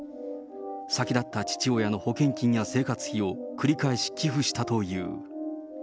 先立った父親の保険金や生活費を繰り返し寄付したという。